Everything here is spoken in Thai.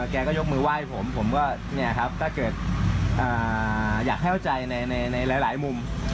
แกก็ยกมือไหว้ผมผมก็เนี่ยครับถ้าเกิดอยากให้เข้าใจในหลายมุม